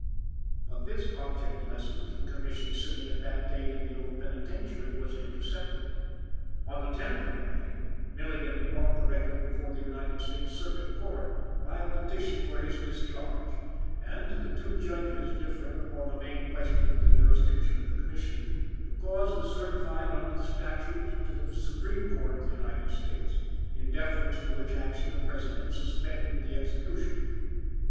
But this object lesson to the Commission sitting at that date in the old Penitentiary was intercepted. On the 10th of May, Milligan brought the record before the United States Circuit Court by a petition for his discharge, and, the two judges differing upon the main question of the jurisdiction of the Commission, the cause was certified under the statute to the Supreme Court of the United States; in deference to which action the President suspended the execution.